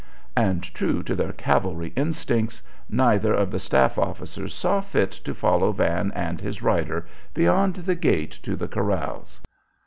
And, true to their cavalry instincts, neither of the staff officers saw fit to follow Van and his rider beyond the gate to the corrals.